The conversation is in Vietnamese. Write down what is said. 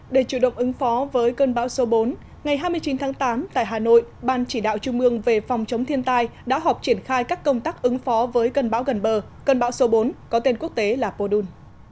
để chủ động ứng phó với cơn bão số bốn ngày hai mươi chín tháng tám tại hà nội ban chỉ đạo trung ương về phòng chống thiên tai đã họp triển khai các công tác ứng phó với cơn bão gần bờ cơn bão số bốn có tên quốc tế là podun